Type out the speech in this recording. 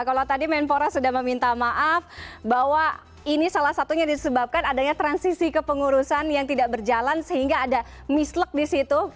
kalau tadi menpora sudah meminta maaf bahwa ini salah satunya disebabkan adanya transisi kepengurusan yang tidak berjalan sehingga ada misleg di situ